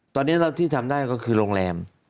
ตอนนี้ที่ทำได้ก็คือโรงแรม